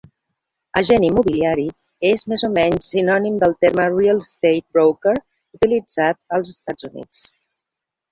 Agent immobiliari és més o menys sinònim del terme "real estate broker", utilitzat als Estats Units.